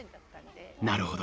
なるほど。